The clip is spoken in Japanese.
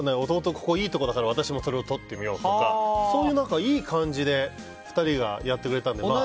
弟、ここいいところだから私もそこをとってみようとかそういういい感じで２人はやってくれたので。